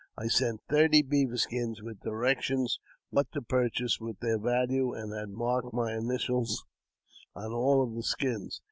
I sent thirty beaver skins, with directions what to purchase with their value, and had marked my initials on all of the skins.